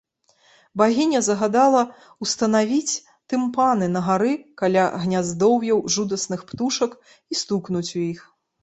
Багіня загадала ўстанавіць тымпаны на гары каля гняздоўяў жудасных птушак і стукнуць у іх.